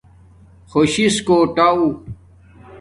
خوش شس کوٹ آݹ